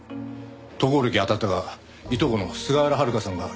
渡航歴当たったがいとこの菅原遥香さんが帰国してる